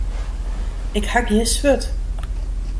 Ik ha gjin swurd.